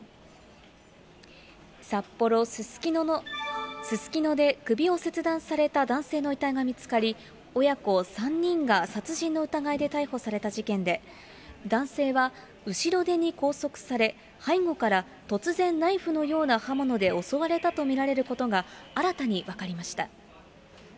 札幌・すすきので首を切断された男性の遺体が見つかり、親子３人が殺人の疑いで逮捕された事件で、男性は後ろ手に拘束され、背後から突然ナイフのような刃物で襲われたと見られることが新たに分かりました。